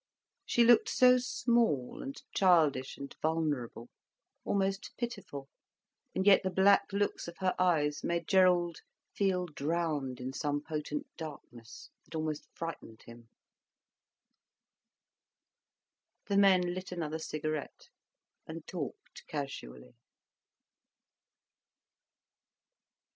She looked so small and childish and vulnerable, almost pitiful. And yet the black looks of her eyes made Gerald feel drowned in some potent darkness that almost frightened him. The men lit another cigarette and talked casually.